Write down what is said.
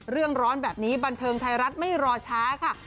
ร้อนแบบนี้บันเทิงไทยรัฐไม่รอช้าค่ะ